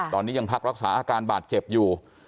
ตอนนี้ยังพักรักษาอาการบาดเจ็บอยู่